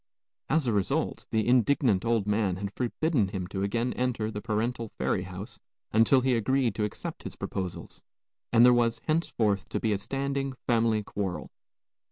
As a result, the indignant old man had forbidden him to again enter the parental ferry house until he agreed to accept his proposals, and there was henceforth to be a standing family quarrel.